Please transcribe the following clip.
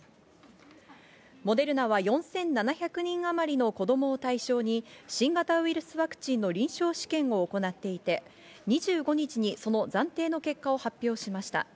モデルナは４７００人あまりの子供を対象に新型ウイルスワクチンの臨床試験を行っていて、２５日にその暫定の結果を発表しました。